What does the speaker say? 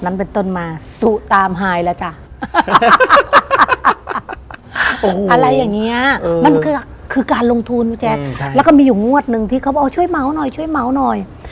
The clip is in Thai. อะไรอย่างเงี้ยมันคือการลงทุนพี่แจ๊คแล้วก็มีอยู่งวดหนึ่งที่เขาบอกช่วยเมาส์หน่อยช่วยเมาหน่อย